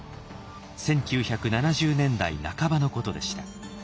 １９７０年代半ばのことでした。